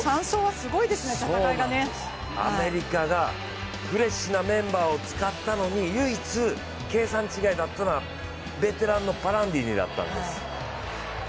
アメリカがフレッシュなメンバーを使ったのに、唯一、計算違いだったのはベテランの選手。